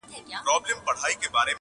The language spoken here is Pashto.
له بې هنرو ګوتو پورته سي بې سوره نغمې.!